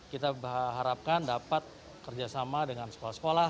kita harapkan dapat kerjasama dengan sekolah sekolah